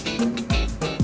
terima kasih bang